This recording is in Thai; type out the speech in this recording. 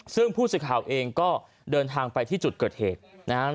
ซึ่งผู้สื่อข่าวเองก็เดินทางไปที่จุดเกิดเหตุนะครับ